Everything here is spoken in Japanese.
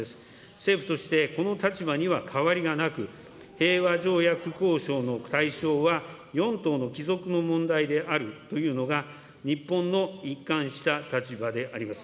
政府としてこの立場には変わりがなく、平和条約交渉の対象は４島の帰属の問題であるというのが日本の一貫した立場であります。